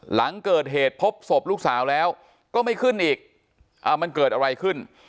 หลังเกิดเหตุพบศพลูกสาวแล้วก็ไม่ขึ้นอีกมันเกิดอะไรขึ้น